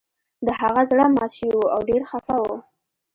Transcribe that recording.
د هغه زړه مات شوی و او ډیر خفه و